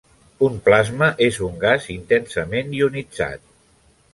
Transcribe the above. Un plasma és un gas intensament ionitzat.